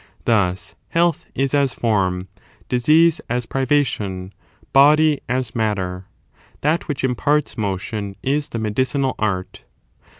Thus, health is as form, disease as priva tion, body as matter : that which imparts motion is the medicinal art.